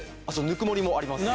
ぬくもりもあります。